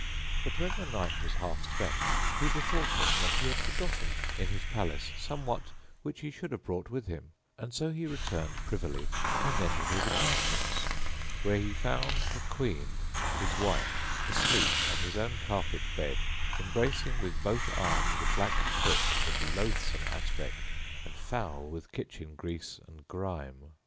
But when the night was half spent he bethought him that he had forgotten in his palace somewhat which he should have brought with him, so he re turned privily and entered his apartments, where he found the Queen, his wife, asleep on his own carpet bed, embracing with both arms a black cook of loathsome aspect and foul with kitchen grease and grime.